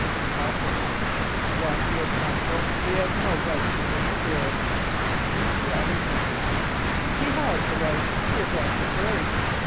FITZPATRICK: Once he has counsel he has no right to interfere. Mr. ROBINSON: He has the right to address the jury.